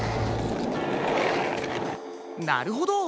なるほど。